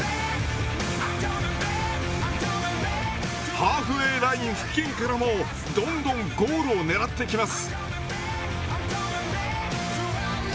ハーフウェイライン付近からもどんどんゴールを狙ってきます。